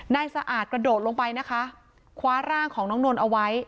สะอาดกระโดดลงไปนะคะคว้าร่างของน้องนนท์เอาไว้